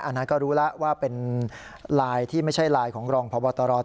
อันนั้นก็รู้แล้วว่าเป็นลายที่ไม่ใช่ลายของรองพบตรตัวจริง